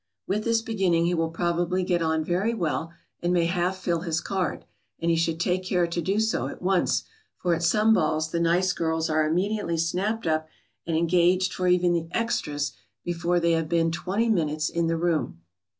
] With this beginning he will probably get on very well and may half fill his card, and he should take care to do so at once, for at some balls the nice girls are immediately snapped up and engaged for even the extras before they have been twenty minutes in the room.